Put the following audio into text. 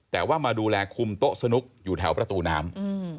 แต่ว่ามาดูแลคุมโต๊ะสนุกอยู่แถวประตูน้ำ